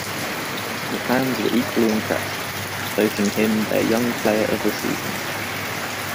The fans were equally impressed, voting him their Young Player of the Season.